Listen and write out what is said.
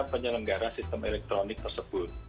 penyelenggaraan sistem elektronik tersebut